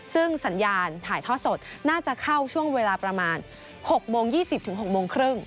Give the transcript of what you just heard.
ซึ่งสัญญาณถ่ายทอดสดน่าจะเข้าช่วงเวลาประมาณ๖โมง๒๐๖โมงครึ่ง